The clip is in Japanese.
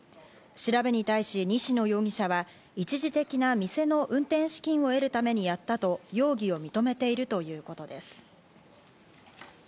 調べに対し、西野容疑者は一時的な店の運転資金を得るためにやったと容疑を認めているということです。